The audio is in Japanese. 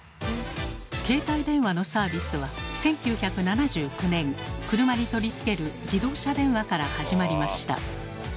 携帯電話のサービスは１９７９年車に取り付ける「自動車電話」から始まりました。